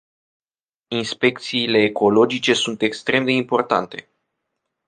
Inspecțiile ecologice sunt extrem de importante.